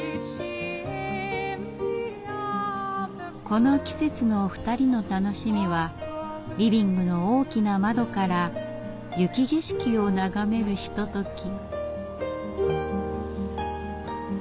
この季節の２人の楽しみはリビングの大きな窓から雪景色を眺めるひととき。